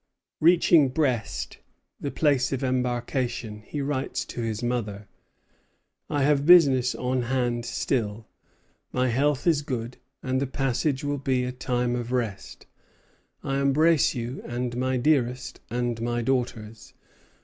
Reaching Brest, the place of embarkation, he writes to his mother: "I have business on hand still. My health is good, and the passage will be a time of rest. I embrace you, and my dearest, and my daughters.